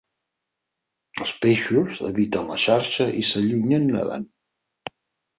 Els peixos eviten la xarxa i s'allunyen nedant.